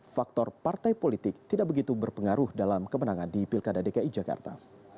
faktor partai politik tidak begitu berpengaruh dalam kemenangan di pilkada dki jakarta